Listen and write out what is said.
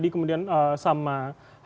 kemudian sama hal itu